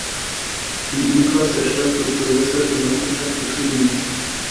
Im Umkreis der Stadt wird bewässerte Landwirtschaft betrieben.